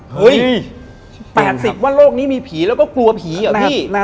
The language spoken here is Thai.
๘๐ว่าโลกนี้มีผีแล้วก็กลัวผีเหรอพี่